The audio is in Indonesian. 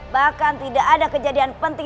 bahkan tidak ada kejadian penting